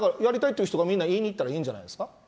だから、やりたいって人がみんな言いに行ったらいいんじゃないですか。